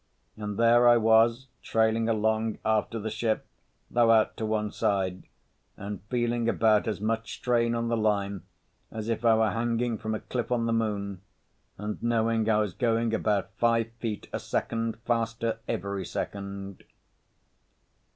And there I was trailing along after the ship, though out to one side, and feeling about as much strain on the line as if I were hanging from a cliff on the moon, and knowing I was going about five feet a second faster every second.